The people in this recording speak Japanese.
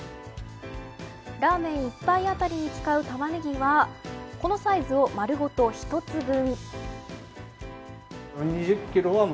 ラーメン一杯当たりに使うタマネギはこのサイズを丸ごと１つ分。